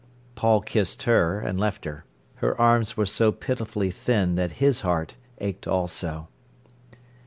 Paul kissed her, and left her. Her arms were so pitifully thin that his heart ached also.